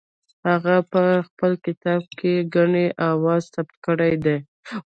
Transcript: هغه په خپل کتاب کې ګڼې اوازې ثبت کړې دي.